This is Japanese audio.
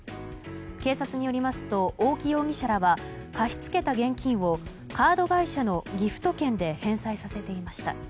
警察によりますと大木容疑者らは貸し付けた現金をカード会社のギフト券で返済させていました。